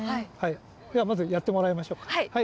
ではまず、やってもらいましょうか。